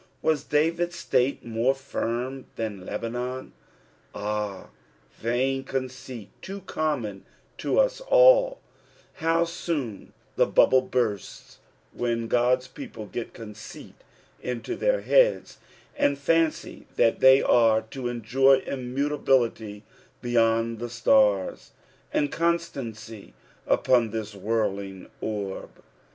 Was David's state more firm than Lebanon) Ah, vt^n conceit, too common to us nlU How aoon the bubble bursts when God's Kopleget conceit into their heads, and fancy that they are to enjoy immutability neath the stars, and constancy upon this whirling orb.